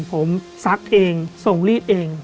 ผมซักเองส่งรีดเอง